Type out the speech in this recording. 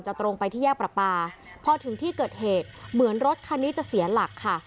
ตรงไปที่แยกประปาพอถึงที่เกิดเหตุเหมือนรถคันนี้จะเสียหลักค่ะ